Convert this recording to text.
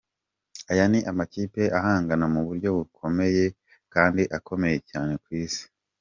Aya ni amakipe ahangana mu buryo bukomeye kandi akomeye cyane ku isi.